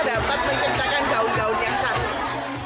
mereka dapat menciptakan gaun gaun yang satu